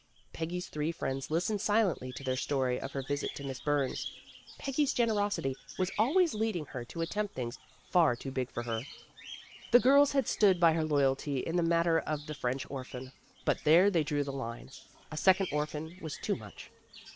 Peggy's three friends listened silently to their story of her visit to Miss Burns. Peggy's generosity was always leading her to attempt things far too big for her. The girls had stood by her loyally in the matter of the French orphan, but there they drew the line. A second orphan was too much.